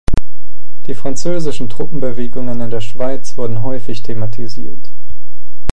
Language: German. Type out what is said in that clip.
Die französischen Truppenbewegungen in der Schweiz wurden häufig thematisiert.